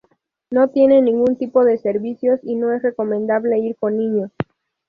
No tiene ningún tipo de servicios y no es recomendable ir con niños.